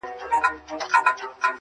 څښل مو تويول مو شرابونه د جلال,